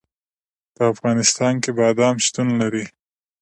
په افغانستان کې بادام شتون لري.